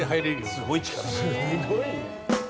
すごい力。